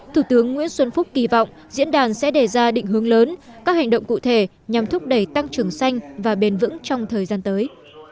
thủ tướng nguyễn xuân phúc kỳ vọng diễn đàn sẽ đề ra định hướng lớn các hành động cụ thể nhằm thúc đẩy tăng trưởng xanh và bền vững trong thời gian tới